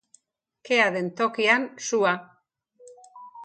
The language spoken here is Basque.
Kea den tokian sua.